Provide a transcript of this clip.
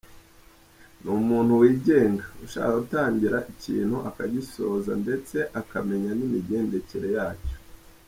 Ni umuntu wigenga, ushaka gutangira ikintu akagisoza ndetse akamenya n’imigendekere yacyo.